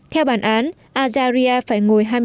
theo bản án azaria phải ngồi hai mươi năm tù giam